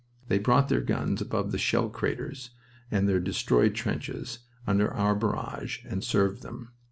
They brought their guns above the shell craters of their destroyed trenches under our barrage and served them.